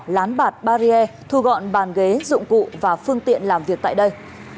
lán bạt barriere thu gọn bàn ghế dụng cụ và phương tiện làm việc tại đây